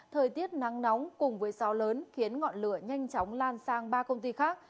thời tiết nắng nóng cùng với gió lớn khiến ngọn lửa nhanh chóng lan sang ba công ty khác